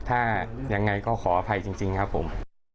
ถ้ายังไงก็ขออภัยจริงครับผม